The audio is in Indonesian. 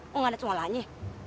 kok nggak ada cengolanya